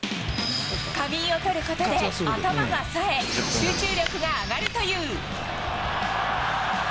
仮眠をとることで、頭がさえ、集中力が上がるという。